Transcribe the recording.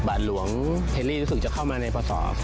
บาลหลวงเฮนรี่รู้สึกจะเข้ามาในประสอบ